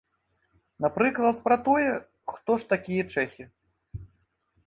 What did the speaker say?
Напрыклад, пра тое, хто ж такія чэхі.